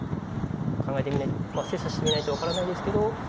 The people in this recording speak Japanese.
考えてみないと精査してみないと分からないですけど。